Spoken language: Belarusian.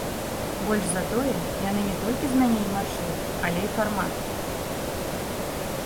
Больш за тое, яны не толькі змянілі маршрут, але і фармат.